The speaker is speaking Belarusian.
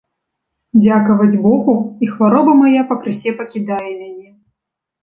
Дзякаваць богу, і хвароба мая пакрысе пакідае мяне.